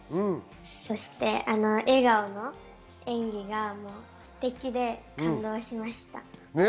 そして笑顔の演技がステキで感動しました。